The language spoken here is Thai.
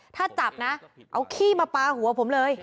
ถ้าจับนะเอาขี้มาปลาหัวผมเลย